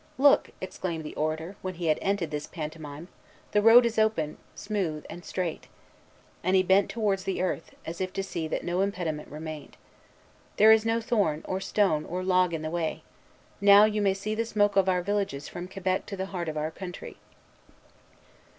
"Look!" exclaimed the orator, when he had ended this pantomime, "the road is open, smooth, and straight"; and he bent towards the earth, as if to see that no impediment remained. "There is no thorn, or stone, or log in the way. Now you may see the smoke of our villages from Quebec to the heart of our country."